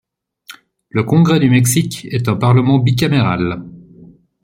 Le Congrès du Mexique est un parlement bicaméral.